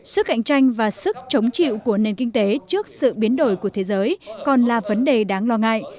sức cạnh tranh và sức chống chịu của nền kinh tế trước sự biến đổi của thế giới còn là vấn đề đáng lo ngại